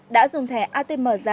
đã dùng thẻ atm giả